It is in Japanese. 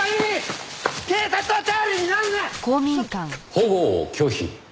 保護を拒否？